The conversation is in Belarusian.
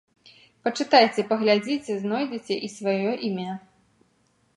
Пачытайце, паглядзіце, знойдзеце і сваё імя.